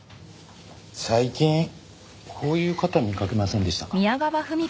最近こういう方見かけませんでしたか？